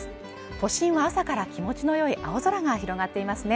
都心は朝から気持ちの良い青空が広がっていますね